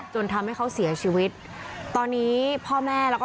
จนทำให้เขาเสียชีวิตตอนนี้พ่อแม่แล้วก็